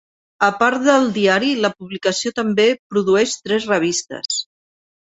A part del diari, la publicació també produeix tres revistes.